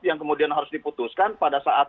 yang kemudian harus diputuskan pada saat